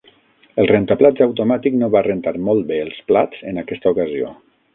El rentaplats automàtic no va rentar molt bé els plats en aquesta ocasió.